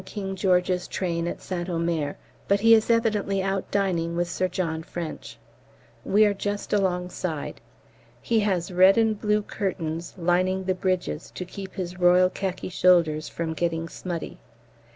King George's train at St Omer, but he is evidently out dining with Sir John French. We are just alongside. He has red and blue curtains lining the bridges to keep his royal khaki shoulders from getting smutty.